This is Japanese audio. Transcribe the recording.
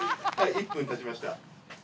１分たちました。